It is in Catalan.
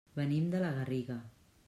Venim de la Garriga.